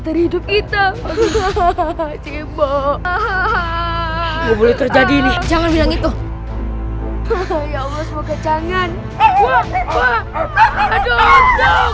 dari hidup kita hahaha bobo terjadi ini jangan bilang itu semoga jangan